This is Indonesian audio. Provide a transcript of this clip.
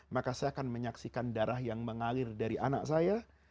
maka saya akan menyaksikan darah yang mengalir dari anak saya